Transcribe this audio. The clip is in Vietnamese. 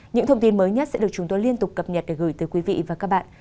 những thông tin mới nhất sẽ được chúng tôi liên tục cập nhật để gửi tới quý vị và các bạn